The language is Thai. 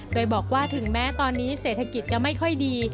โดยบอกว่าถึงแม้ตอนนี้เศรษฐกิจจะไม่ค่อยดี